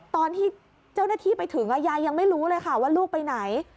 ตอนที่เจ้าหน้าที่ไปถึงยายยังไม่รู้เลยค่ะว่าลูกไปไหน